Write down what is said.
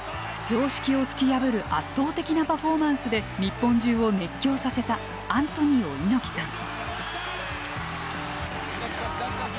常識を突き破る圧倒的なパフォーマンスで日本中を熱狂させたアントニオ猪木さん。